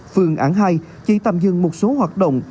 phương án hai chỉ tạm dừng một số hoạt động